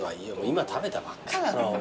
今食べたばっかだろ。